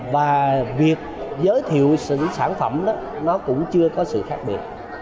và việc giới thiệu sản phẩm đó cũng chưa có sự khác biệt